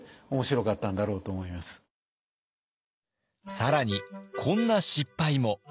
更にこんな失敗も。